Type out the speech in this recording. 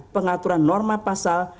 pengaturan norma pasal